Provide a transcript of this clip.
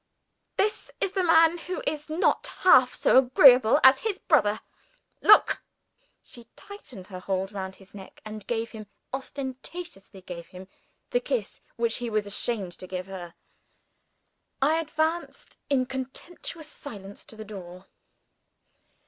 "This is the man who is not half so agreeable as his brother. Look!" She tightened her hold round his neck, and gave him ostentatiously gave him the kiss which he was ashamed to give her. I advanced, in contemptuous silence, to the door.